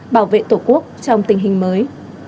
bảo vệ tổ quốc trong tình hình mới